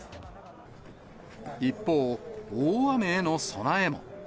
一方、大雨への備えも。